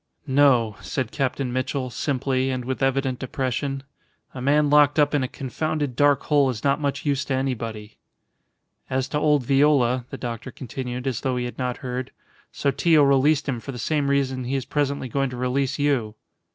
"No," said Captain Mitchell, simply, and with evident depression. "A man locked up in a confounded dark hole is not much use to anybody." "As to old Viola," the doctor continued, as though he had not heard, "Sotillo released him for the same reason he is presently going to release you."